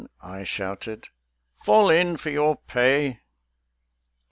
I shouted; "Fall in for your pay!"